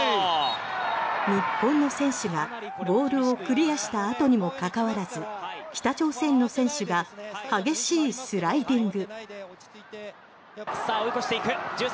日本の選手がボールをクリアした後にもかかわらず北朝鮮の選手が激しいスライディング。